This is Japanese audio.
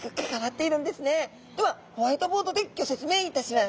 ではホワイトボードでギョ説明いたします。